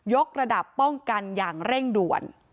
กระดับป้องกันอย่างเร่งด่วน